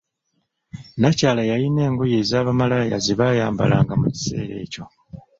Nakyala yalina engoye eza bamalaaya zebayambalanga mu kiseera ekyo.